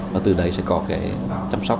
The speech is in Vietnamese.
và từ đấy sẽ có cái chăm sóc